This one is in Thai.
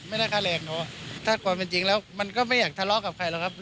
ไม่ได้ค่าแรงนะครับ